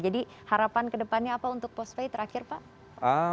jadi harapan ke depannya apa untuk postpay terakhir pak